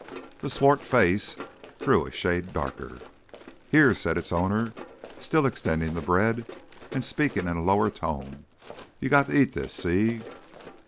The swart face grew a shade darker. "Here," said its owner, still extending the bread, and speaking in a lower tone; "you got to eat this. See?"